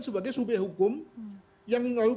sebagai subyek hukum yang lalu